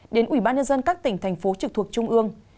đến ủy ban nhân dân các tỉnh thành phố trực thuộc trung ương